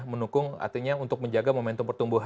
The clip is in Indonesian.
mendukung artinya untuk menjaga momentum pertumbuhan